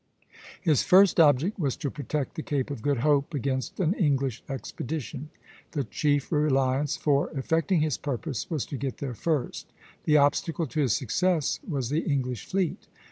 His first object was to protect the Cape of Good Hope against an English expedition; the chief reliance for effecting his purpose was to get there first; the obstacle to his success was the English fleet.